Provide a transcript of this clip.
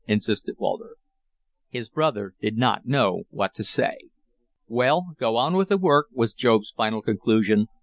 insisted Walter. His brother did not know what to say. "Well, go on with the work," was Job's final conclusion.